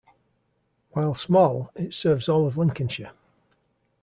While small, it serves all of Lincolnshire.